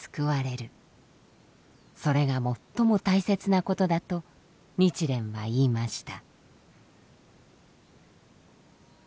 それが最も大切なことだと日蓮は言いました。